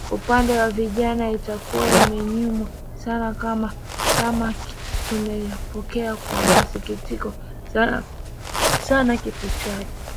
upande wa vijana itakuwa imeyumba sana Kama chama tumepokea kwa masikitiko sana kifo chake